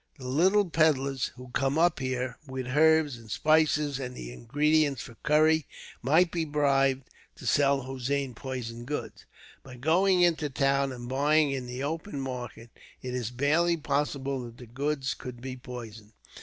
The little peddlers who come up here with herbs, and spices, and the ingredients for curry, might be bribed to sell Hossein poisoned goods. By going down into the town, and buying in the open market, it is barely possible that the goods could be poisoned.